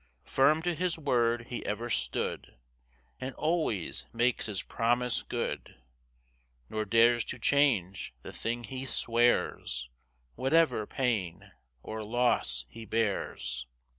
] 4 [Firm to his word he ever stood, And always makes his promise good; Nor dares to change the thing he swears, Whatever pain or loss he bears.